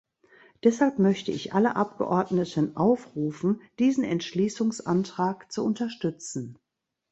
Deshalb möchte ich alle Abgeordneten aufrufen, diesen Entschließungsantrag zu unterstützen.